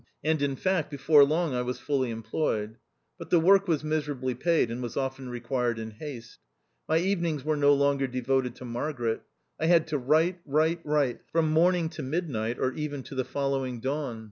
And, in fact, before long I was fully employed. But the work was miserably paid, and was often required in haste. My evenings were no longer devoted to Margaret. I had to write — write — write from morning to mid night, or even to the following dawn.